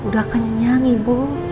udah kenyang ibu